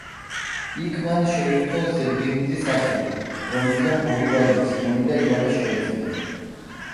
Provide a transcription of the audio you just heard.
იქ მან შეირთო ზედგენიძის ასული, რომლისგან ორი ვაჟი, სიმონი და ივანე შეეძინა.